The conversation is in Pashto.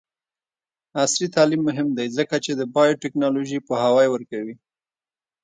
عصري تعلیم مهم دی ځکه چې د بایوټیکنالوژي پوهاوی ورکوي.